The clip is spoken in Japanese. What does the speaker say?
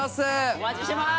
お待ちしてます！